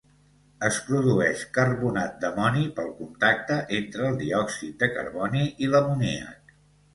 Es produeix carbonat d'amoni pel contacte entre el diòxid de carboni i l'amoníac.